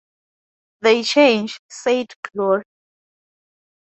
"They change," said Gloria.